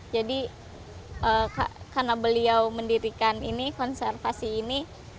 jadi karena beliau mendirikan ini konservasi ini